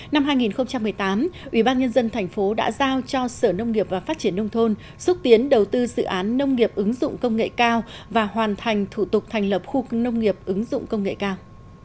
năm hai nghìn một mươi tám ubnd tp đã giao cho sở nông nghiệp và phát triển nông thôn xúc tiến đầu tư dự án nông nghiệp ứng dụng công nghệ cao và hoàn thành thủ tục thành lập khu nông nghiệp ứng dụng công nghệ cao